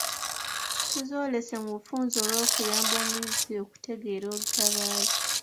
Tuzoolese mu bufunze olw'okuyamba omuyizi okutegeera olutabaalo.